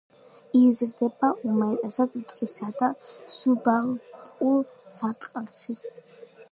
იზრდება უმეტესად ტყისა და სუბალპურ სარტყელში.